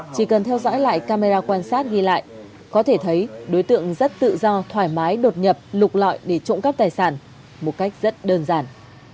chỉ cần theo dõi lại camera quan sát ghi lại có thể thấy đối tượng rất tự do thoải mái đột nhập lục lọi để trộm cắp tài sản một cách rất đơn giản